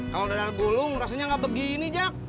kalau dadar gulung rasanya gak begini jak